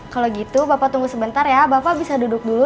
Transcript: kalau gitu bapak tunggu sebentar ya bapak bisa duduk dulu